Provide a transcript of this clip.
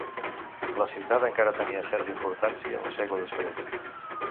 La ciutat encara tenia certa importància un segle després.